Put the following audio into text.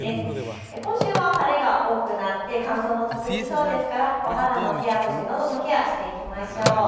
今週は晴れが多くなって乾燥も続きそうですからお肌のケア、そしてのどのケアもしていきましょう。